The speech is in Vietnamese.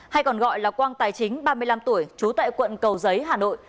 hay còn gọi là quang tài chính ba mươi năm tuổi trú tại quận cầu giấy hà nội